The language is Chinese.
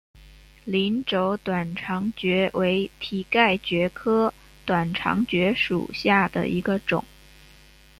鳞轴短肠蕨为蹄盖蕨科短肠蕨属下的一个种。